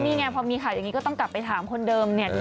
นี่ไงพอมีข่าวอย่างนี้ก็ต้องกลับไปถามคนเดิมเนี่ย